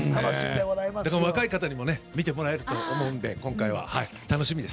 若い方にも見てもらえると思うので楽しみです。